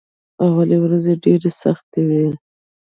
اولې ورځې ډېرې سختې وې.